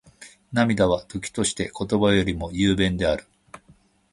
涙は、時として言葉よりも雄弁である。